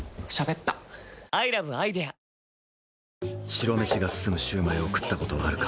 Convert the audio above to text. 白飯が進むシュウマイを食ったことはあるか？